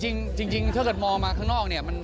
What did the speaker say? จริงถ้าเกิดมองมาข้างนอกเนี่ย